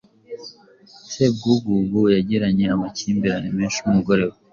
Sebwugugu yagiranye amakimbirane menshi n’umugore we